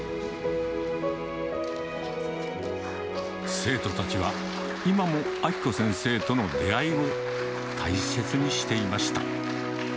生徒たちは、今も明子先生との出会いを、大切にしていました。